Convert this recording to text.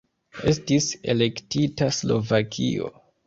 Estis elektita Slovakio.